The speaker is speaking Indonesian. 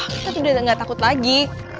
kita tuh udah gak takut lagi